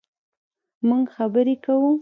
مونږ خبرې کوو